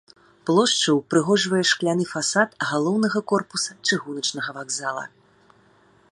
Плошчу ўпрыгожвае шкляны фасад галоўнага корпуса чыгуначнага вакзала.